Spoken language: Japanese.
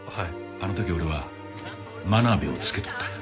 あの時俺は真鍋をつけとったんや。